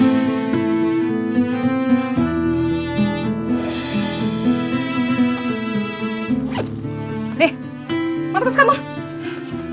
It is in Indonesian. nih mana tas kamu